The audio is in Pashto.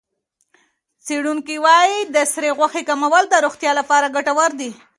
څېړونکي وايي د سرې غوښې کمول د روغتیا لپاره ګټور دي.